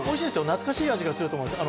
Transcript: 懐かしい味がすると思います